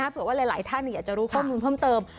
เผื่อว่าหลายท่านอยากจะรู้ข้อมูลเพิ่มเติม